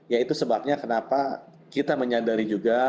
ya itu sebabnya kenapa kita menyadari juga